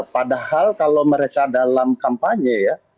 padahal kalau mereka dalam kampanye ya